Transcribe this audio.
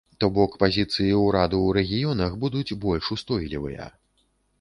То бок, пазіцыі ўраду ў рэгіёнах будуць больш устойлівыя.